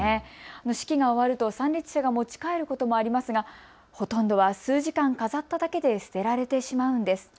式が終わると参列者が持ち帰ることもありますが、ほとんどは数時間飾っただけで捨てられてしまうんです。